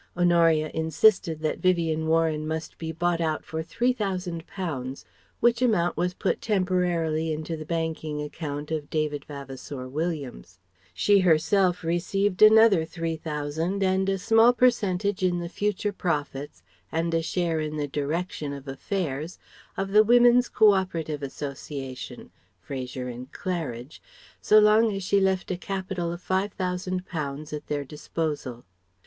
Honoria insisted that Vivien Warren must be bought out for Three Thousand pounds, which amount was put temporarily to the banking account of David Vavasour Williams; she herself received another Three Thousand and a small percentage of the future profits and a share in the direction of affairs of THE WOMEN'S CO OPERATIVE ASSOCIATION (Fraser and Claridge) so long as she left a capital of Five Thousand pounds at their disposal.